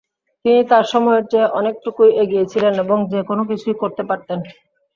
তিনি তাঁর সময়ের চেয়ে অনেকটুকুই এগিয়ে ছিলেন এবং যেকোনো কিছুই করতে পারতেন।